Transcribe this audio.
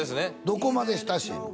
どこまで親しいの？